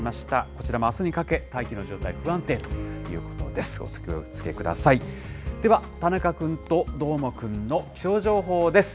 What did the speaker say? こちらもあすにかけ、大気の状態、不安定ということです。